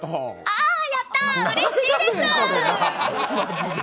あー、やったー、うれしいです。